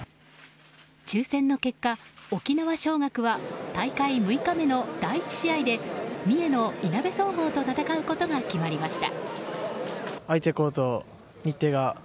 抽選の結果、沖縄尚学は大会６日目の第１試合で三重のいなべ総合と戦うことが決まりました。